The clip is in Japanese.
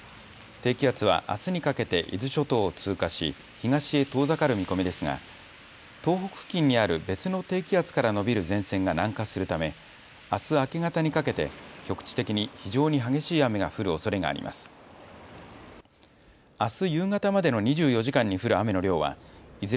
低気圧はあすにかけて伊豆諸島を通過し、東へ遠ざかる見込みですが東北付近にある別の低気圧から延びる前線が南下するためあす明け方にかけて局地的に非常に激しい雨が降るおそれがあります。